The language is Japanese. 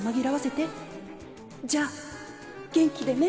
じゃあ元気でね」